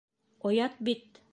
Оят бит!..